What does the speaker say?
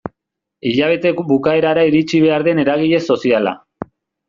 Hilabete bukaerara iritsi behar den eragile soziala.